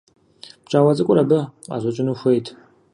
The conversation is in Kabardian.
Пкӏауэ цӏыкӏур абы къыӏэщӏэкӏыну хуейт.